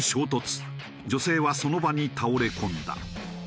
女性はその場に倒れ込んだ。